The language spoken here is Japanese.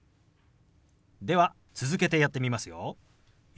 では続けてやってみますよ。